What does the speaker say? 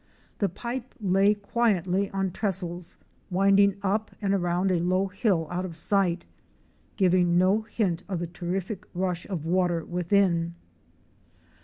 The pipe lay quietly on trestles, winding up and around a low hill out of sight, giving no hint of the terrific rush of water within.